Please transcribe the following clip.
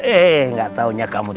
eh gak tahunya kamu